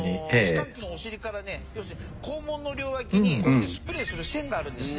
スカンクのお尻からね要するに肛門の両脇にこういうねスプレーする腺があるんですね。